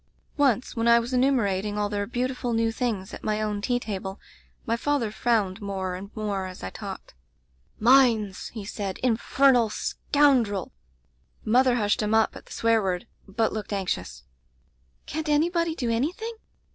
"Once when I was enumerating all their beautiful new things at my own tea table, my father frowned more and more as I talked. "'Mines!* he said —* Infernal scoundrel!' "Mother hushed him up at the swear word, but looked anxious. "'Can't anybody do anything?'